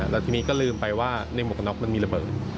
แล้วทีนี้ก็ลืมไปว่าในหมวกกระน็อกมันมีระเบิด